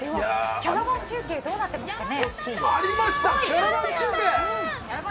キャラバン中継どうなってますかね。